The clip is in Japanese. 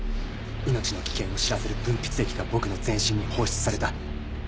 命の危険を知らせる分泌液が僕の全身に放出された。